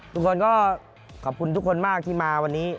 ทุกคนก็ขอบคุณทุกคนมากที่มาวันนี้